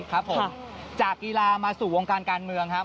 ครับผมจากกีฬามาสู่วงการการเมืองครับ